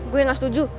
gua ga setuju